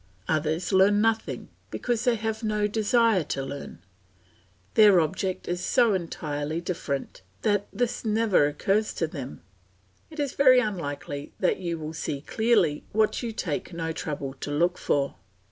Others learn nothing, because they have no desire to learn. Their object is so entirely different, that this never occurs to them; it is very unlikely that you will see clearly what you take no trouble to look for.